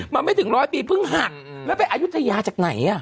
มันไม่ถึงร้อยปีเพิ่งหักแล้วไปอายุทยาจากไหน